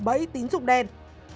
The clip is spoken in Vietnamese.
bởi tín dụng đen